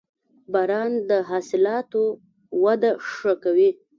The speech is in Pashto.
• باران د حاصلاتو وده ښه کوي.